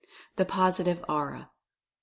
THE POSITIVE AURA. 3.